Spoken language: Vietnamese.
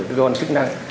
cái gọi chức năng